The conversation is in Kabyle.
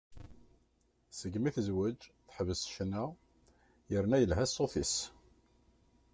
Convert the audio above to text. Segmi tezweǧ, teḥbes ccna, yerna yelha ṣṣut-is.